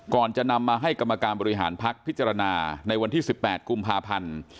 ก่อนจะนำมาให้กรรมการบริหารพักพิจารณาในวันที่๑๘กุมภาพันธ์